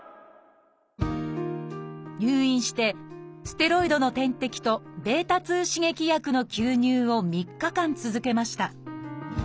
入院して「ステロイドの点滴」と「β刺激薬の吸入」を３日間続けました。